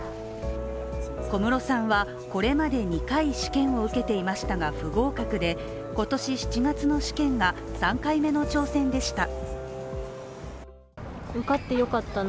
小室さんはこれまで２回試験を受けていましたが、不合格で今年７月の試験が３回目の挑戦でした。